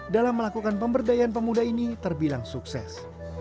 dalam melakukan pemberdayaan pemuda ini terbilang sukses